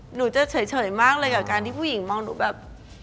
หนูจะเฉยมากเลยกับการที่ผู้หญิงมองหนูแบบ